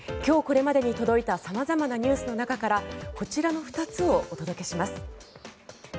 今日これまでに届いた様々なニュースの中からこちらの２つをお届けします。